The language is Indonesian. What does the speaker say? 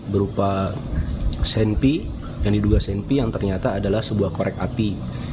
berupa senpi yang diduga sempi yang ternyata adalah sebuah korek api